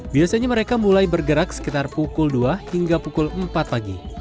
biasanya mereka mulai bergerak sekitar pukul dua hingga pukul empat pagi